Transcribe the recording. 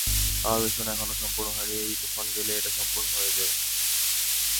আমার মিশন এখনও সম্পুর্ন হয় নি এই তুফান গেলে, এটা সম্পূর্ণ হয়ে যাবে।